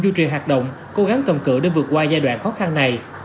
giữ trì hạt động cố gắng cầm cử để vượt qua giai đoạn khó khăn này